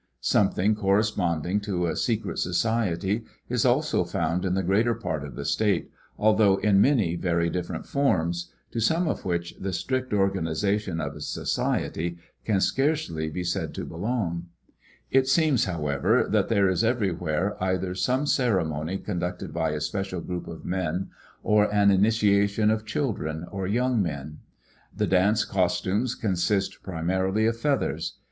Some thing corresponding to a secret society is also found in the greater part of the state, although in many very different forms, VOL. a.] Kroeler. Types of Indian Culture in California. 85 to some of which the strict organization of a society can scarcely be said to belong. It seems however that there is everywhere either some ceremony conducted by a special group of men or an initiation of children or young men. The dance costumes consist primarily of feathers.